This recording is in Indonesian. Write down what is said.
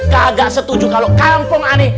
kagak setuju kalo kampung aneh